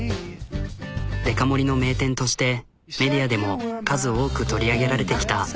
デカ盛りの名店としてメディアでも数多く取り上げられてきた。